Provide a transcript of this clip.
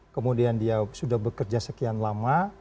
kemudian dia sudah bekerja sekian lama